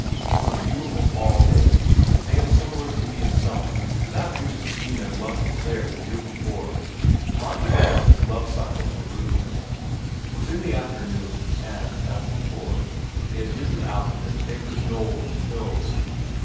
On a beautiful fall day, a day of similar Indian summer to that which had seen their love declared the year before, Martin read his "Love cycle" to Ruth. It was in the afternoon, and, as before, they had ridden out to their favorite knoll in the hills.